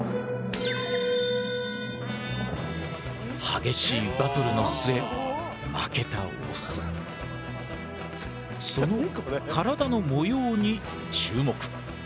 激しいバトルの末負けたオスその体の模様に注目。